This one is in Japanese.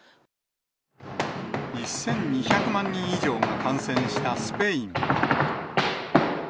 １２００万人以上が感染したスペイン。